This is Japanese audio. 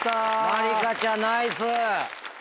まりかちゃんナイス！